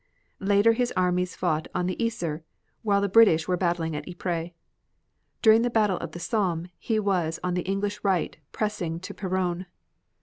Later his armies fought on the Yser while the British were battling at Ypres. During the battle of the Somme he was on the English right pressing to Peronne.